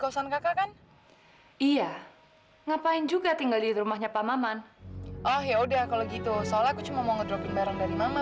sampai jumpa di video selanjutnya